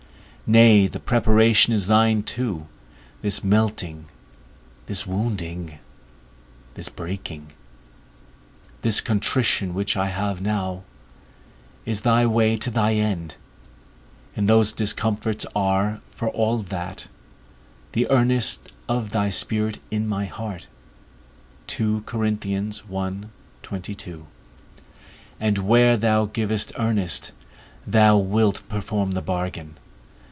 Nay, the preparation is thine too; this melting, this wounding, this breaking, this contrition, which I have now, is thy way to thy end; and those discomforts are, for all that, the earnest of thy Spirit in my heart; and where thou givest earnest, thou wilt perform the bargain.